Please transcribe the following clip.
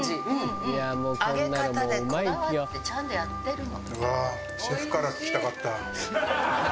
揚げ方でこだわってちゃんとやってるの。